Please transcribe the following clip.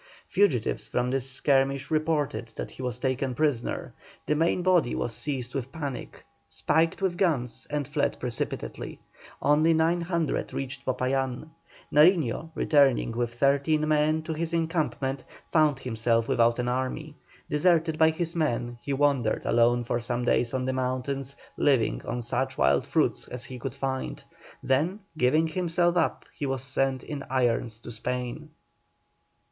Fugitives from this skirmish reported that he was taken prisoner; the main body was seized with panic, spiked their guns, and fled precipitately; only 900 reached Popayán. Nariño, returning with thirteen men to his encampment, found himself without an army. Deserted by his men he wandered alone for some days on the mountains, living on such wild fruits as he could find, then giving himself up he was sent in irons to Spain.